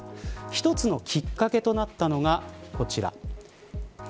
一つのきっかけとなったのがこちら。